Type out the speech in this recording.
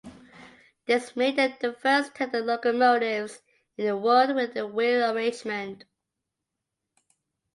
This made them the first tender locomotives in the world with a wheel arrangement.